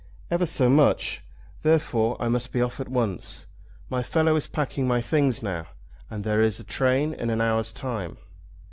"Ever so much; therefore I must be off at once. My fellow is packing my things now; and there is a train in an hour's time."